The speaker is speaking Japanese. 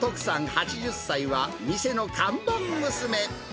８０歳は、店の看板娘。